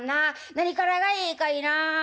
何からがええかいな。